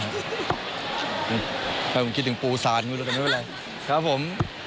มาจึงมันคิดถึงปูสาน้าละกันก็ไม่มีไรครับผม